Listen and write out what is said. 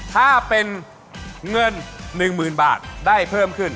ถ้าเป็นเงิน๑๐๐๐บาทได้เพิ่มขึ้น